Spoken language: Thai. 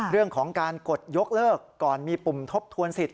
เรื่องของการกดยกเลิกก่อนมีปุ่มทบทวนสิทธ